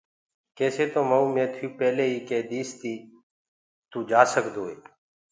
ڪيسي تو مئو ميٿيٚو پيلي ئيٚ ڪي ديٚسي ڪي تو جآسگدوئي